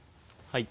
はい。